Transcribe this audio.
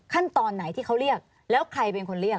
ขั้นตอนไหนที่เขาเรียกแล้วใครเป็นคนเรียก